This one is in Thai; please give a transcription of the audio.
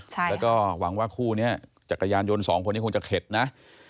แล้วก็หวังว่าคู่นี้จักรยานยนต์สองคนนี้คงจะเข็ดนะ